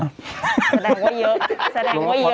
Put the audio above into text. แสดงว่าเยอะ